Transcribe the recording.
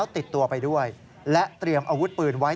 ติดตัวไปด้วยและเตรียมอาวุธปืนไว้